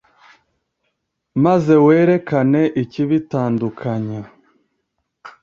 maze werekane ikibitandukanya,